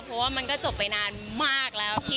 เพราะว่ามันก็จบไปนานมากแล้วพี่